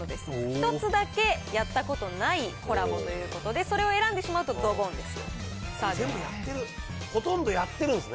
１つだけやったことないコラボということで、それを選んでしまうと、ドボンです。